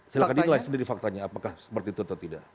silahkan dinilai sendiri faktanya apakah seperti itu atau tidak